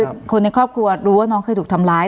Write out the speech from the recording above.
คือคนในครอบครัวรู้ว่าน้องเคยถูกทำร้าย